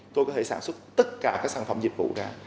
tôi có thể sản xuất tất cả các sản phẩm dịch vụ ra